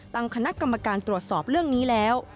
ตั้งคณะกรรมการตรวจสอบเรื่องนี้แล้ว